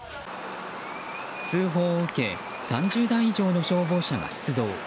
通報を受け３０台以上の消防車が出動。